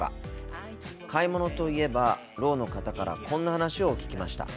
買い物といえばろうの方からこんな話を聞きました。